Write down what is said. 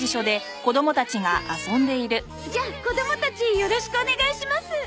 じゃあ子供たちよろしくお願いします。